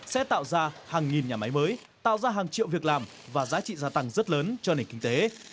sẽ tạo ra hàng nghìn nhà máy mới tạo ra hàng triệu việc làm và giá trị gia tăng rất lớn cho nền kinh tế